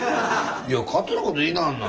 いや勝手なこと言いなはんな。